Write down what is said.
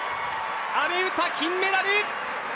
阿部詩、金メダル！